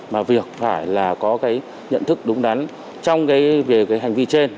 mà việc phải có nhận thức đúng đắn trong hành vi trên